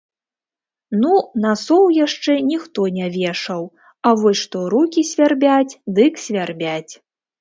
Ну, насоў яшчэ ніхто не вешаў, а вось што рукі свярбяць, дык свярбяць.